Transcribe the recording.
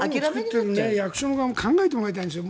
作っている役所の側も考えてもらいたいんです。